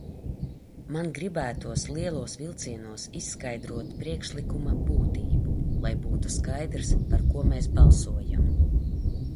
Man gribētos lielos vilcienos izskaidrot priekšlikuma būtību, lai būtu skaidrs, par ko mēs balsojam.